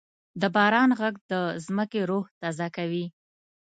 د باران ږغ د ځمکې روح تازه کوي.